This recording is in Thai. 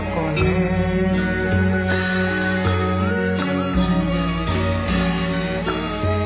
ทรงเป็นน้ำของเรา